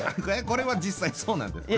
これは実際そうなんですか？